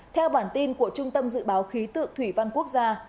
theo bản tin của trung tâm dự báo khí tượng thủy văn quốc gia